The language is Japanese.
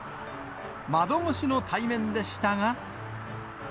窓越しの対面でしたが。